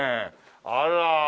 あら。